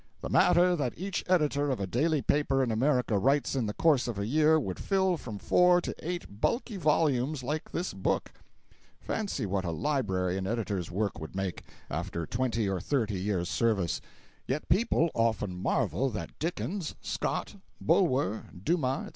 The matter that each editor of a daily paper in America writes in the course of a year would fill from four to eight bulky volumes like this book! Fancy what a library an editor's work would make, after twenty or thirty years' service. Yet people often marvel that Dickens, Scott, Bulwer, Dumas, etc.